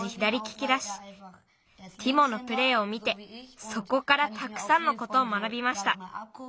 ティモのプレーを見てそこからたくさんのことを学びました。